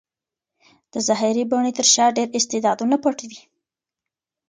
د ظاهري بڼې تر شا ډېر استعدادونه پټ وي.